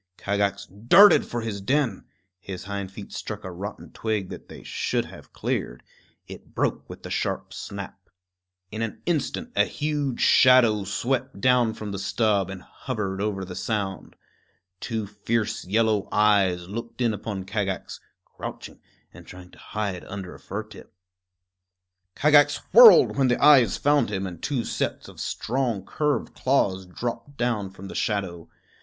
Kagax darted for his den. His hind feet struck a rotten twig that they should have cleared; it broke with a sharp snap. In an instant a huge shadow swept down from the stub and hovered over the sound. Two fierce yellow eyes looked in upon Kagax, crouching and trying to hide under a fir tip. Kagax whirled when the eyes found him and two sets of strong curved claws dropped down from the shadow.